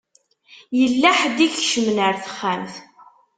Yella ḥedd i ikecmen ar texxamt.